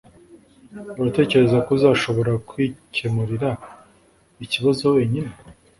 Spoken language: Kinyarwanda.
Uratekereza ko uzashobora kwikemurira ikibazo wenyine